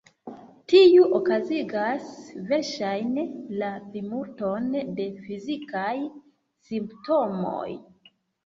Tiu okazigas verŝajne la plimulton de fizikaj simptomoj.